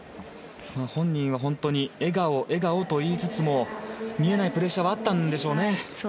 本人は笑顔、笑顔と言いつつも見えないプレッシャーもあったんでしょうね。